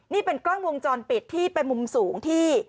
นี่เป็นกล้องวงจรปิดที่เป็นมุมสูงที่